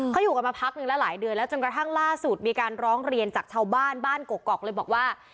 เขาอยู่กันมาพักนึงแล้วหลายเดือนแล้วจนกระทั่งล่าสุดมีการร้องเรียนจากชาวบ้านบ้านกกอกเลยบอกว่า